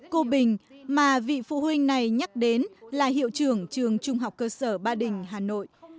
cô bình mà vị phụ huynh này nhắc đến là hiệu trưởng trường trung học cơ sở ba đình hà nội